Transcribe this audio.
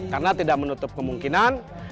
karena tidak menutup kemungkinan